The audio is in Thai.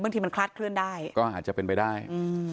บางทีมันคลาดเคลื่อนได้ก็อาจจะเป็นไปได้อืม